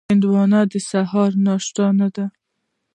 هندوانه د سهار ناشته نه ده.